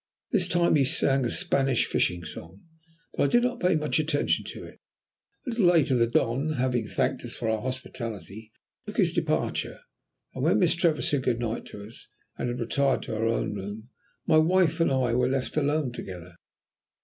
This time he sang a Spanish fishing song, but I did not pay much attention to it. A little later the Don, having thanked us for our hospitality, took his departure, and when Miss Trevor had said good night to us, and had retired to her own room, my wife and I were left alone together.